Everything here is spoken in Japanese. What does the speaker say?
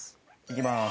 いきまーす